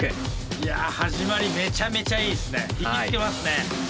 いや始まりめちゃめちゃいいですね引き付けますね。